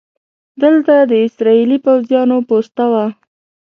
دلته د اسرائیلي پوځیانو پوسته وه.